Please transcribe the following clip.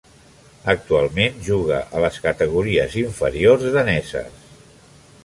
Actualment juga a les categories inferiors daneses.